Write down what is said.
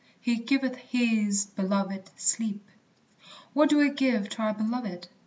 "He giveth his belovèd sleep." What do we give to our beloved?